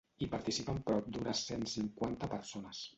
Hi participen prop d'unes cent cinquanta persones.